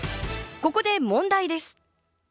ここで問題です。